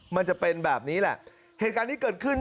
มันจะเป็นแบบนี้แหละเหตุการณ์นี้เกิดขึ้น